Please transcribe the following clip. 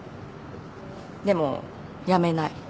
でも辞めない。